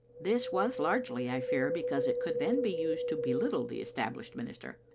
This was largely, I fear, because it could then be used to belittle the Established minister.